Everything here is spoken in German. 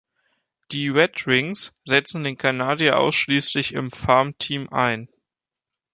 Die Red Wings setzten den Kanadier ausschließlich im Farmteam ein.